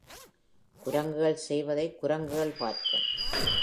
குரங்குகள் செய்வதை குரங்குகள் பார்க்கும்.